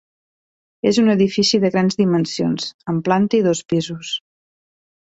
És un edifici de grans dimensions amb planta i dos pisos.